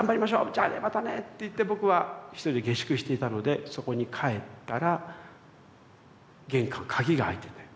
じゃあねまたね！」って言って僕は一人で下宿していたのでそこに帰ったら玄関鍵が開いてて。